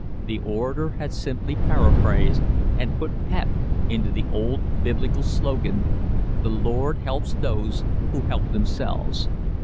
The orator had simply paraphrased and put "pep" into the old Biblical slogan: "The Lord helps those who help themselves."